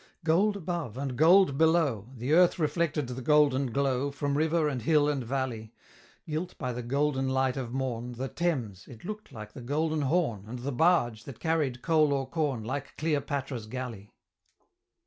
Gold above, and gold below, The earth reflected the golden glow, From river, and hill, and valley; Gilt by the golden light of morn, The Thames it look'd like the Golden Horn, And the Barge, that carried coal or corn, Like Cleopatra's Galley!